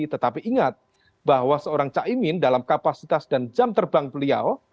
tetapi ingat bahwa seorang caimin dalam kapasitas dan jam terbang beliau